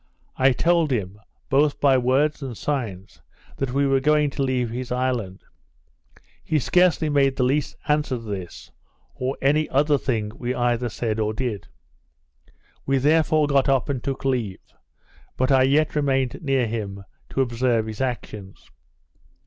I told him, both by words and signs, that we were going to leave his island; he scarcely made the least answer to this, or any other thing we either said or did. We, therefore, got up and took leave; but I yet remained near him, to observe his actions.